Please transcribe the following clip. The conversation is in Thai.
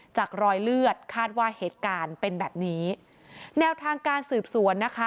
จากรอยเลือดคาดว่าเหตุการณ์เป็นแบบนี้แนวทางการสืบสวนนะคะ